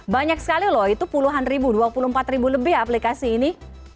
banyak sekali loh itu puluhan ribu dua puluh empat ribu lebih aplikasi ini